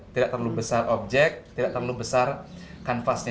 tidak terlalu besar objek tidak terlalu besar kanvasnya